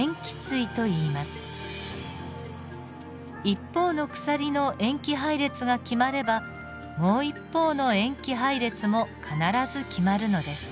一方の鎖の塩基配列が決まればもう一方の塩基配列も必ず決まるのです。